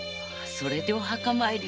それでお墓参り？